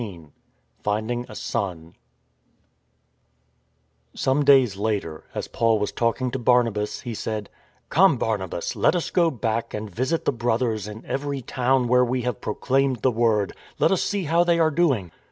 XVII FIfNDING A SON SOME days later, as Paul was talking to Barnabas, he said :" Come, Barnabas, let us go back and visit the brothers in every town where we have proclaimed the iWord. Let us see how they are doing."